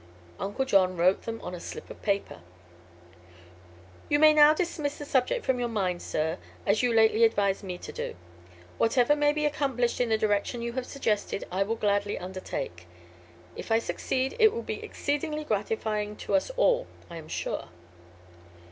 Uncle John wrote them on a slip of paper. "You may now dismiss the subject from your mind, sir, as you lately advised me to do. Whatever may be accomplished in the direction you have suggested I will gladly undertake. If I succeed it will be exceedingly gratifying to us all, I am sure."